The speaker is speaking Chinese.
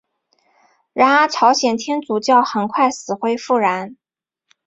然而朝鲜天主教很快死灰复燃。